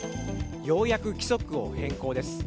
ようやく規則を変更です。